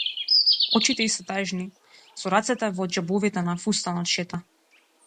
Очите ѝ се тажни, со рацете во џебовите на фустанот шета.